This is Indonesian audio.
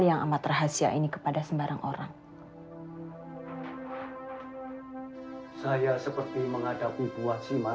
bahwa saya akan dengan mudah menceritakan hal